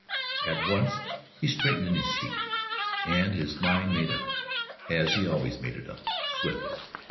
At once he straightened in his seat, and his mind made up, as he always made it up swiftly.